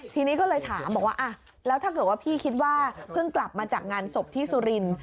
ทีนี้ก็เลยถามบอกว่าแล้วถ้าเกิดว่าพี่คิดว่าเพิ่งกลับมาจากงานศพที่สุรินทร์